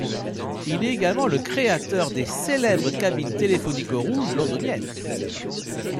Il est également le créateur des célèbres cabines téléphoniques rouges londoniennes.